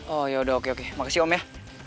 oh yaudah oke oke makasih om ya